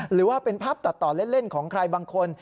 หรือว่าเป็นภาพตัดต่อเล่นของใครบางคน